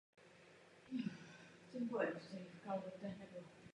K události došlo po jejím vyřazení na turnaji v Amelia Island.